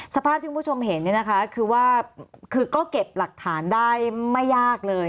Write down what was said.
สภาพที่คุณผู้ชมเห็นคือก็เก็บหลักฐานได้ไม่ยากเลย